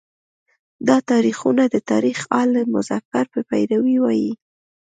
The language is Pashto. دا تاریخونه د تاریخ آل مظفر په پیروی وایي.